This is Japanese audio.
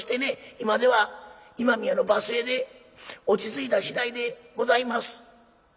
今では今宮の場末で落ち着いたしだいでございます」。